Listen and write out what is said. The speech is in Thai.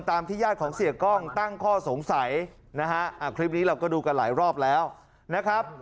ที่ญาติของเสียกล้องตั้งข้อสงสัยนะฮะคลิปนี้เราก็ดูกันหลายรอบแล้วนะครับ